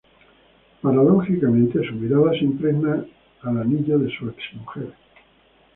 Paradójicamente, su mirada se impregna al anillo de su ex mujer.